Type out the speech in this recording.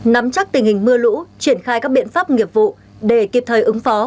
nắm chắc tình hình mưa lũ triển khai các biện pháp nghiệp vụ để kịp thời ứng phó